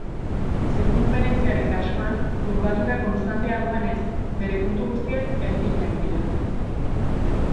Zirkunferentziaren kasuan, kurbatura konstantea duenez, bere puntu guztiak erpinak dira.